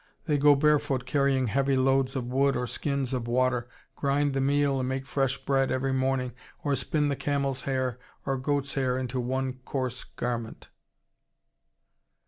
They go barefoot carrying heavy loads of wood or skins of water, grind the meal and make fresh bread every morning, or spin the camel's hair or goat's hair into one coarse garment."